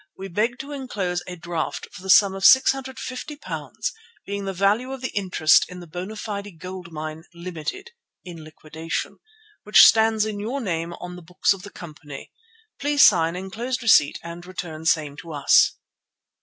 we beg to enclose a draft for the sum of £650, being the value of the interest in the Bona Fide Gold Company, Limited (in liquidation), which stands in your name on the books of the company. Please sign enclosed receipt and return same to us."